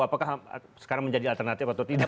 apakah sekarang menjadi alternatif atau tidak